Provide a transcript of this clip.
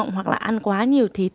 hoặc là ăn quá nhiều thịt